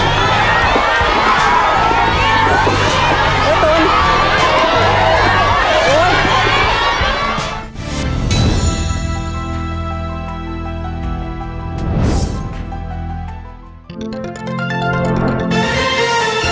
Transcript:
โปรดติดตามตอนต่อไป